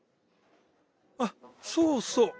あっそうそう